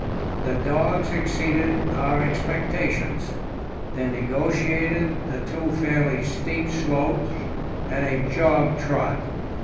The dogs exceeded our expectations; they negotiated the two fairly steep slopes at a jog trot.